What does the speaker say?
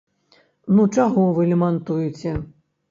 Ну чаго вы лямантуеце?